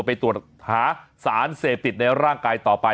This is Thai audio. ไปตรวจหาสารเสพติดในร่างกายต่อไป